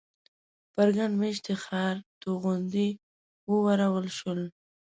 پر ګڼ مېشتي ښار توغندي وورول شول.